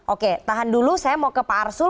oke tahan dulu saya mau ke pak arsul